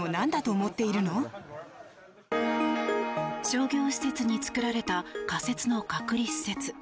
商業施設に作られた仮設の隔離施設。